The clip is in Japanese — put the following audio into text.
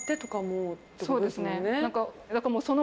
そうですね。